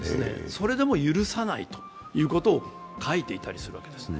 それでも許さないということを書いていたりするわけです。